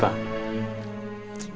taruh di sini